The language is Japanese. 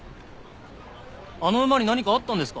あの馬に何かあったんですか？